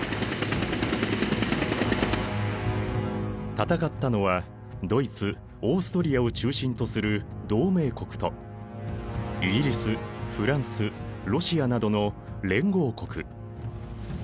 戦ったのはドイツオーストリアを中心とする同盟国とイギリスフランスロシアなどの連合国。